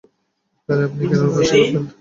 আরে, আপনি কেন কষ্ট করবেন?